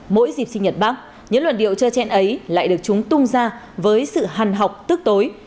mỗi dịp sinh nhật bắc những luận điệu trơ chen ấy lại được chúng tung ra với sự hàn học tức tối